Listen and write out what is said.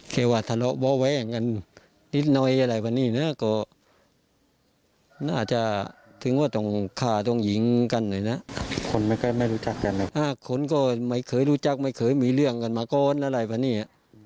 คนก็ไม่เคยรู้จักไม่เคยมีเรื่องกันมาก้อนอะไรแบบนี้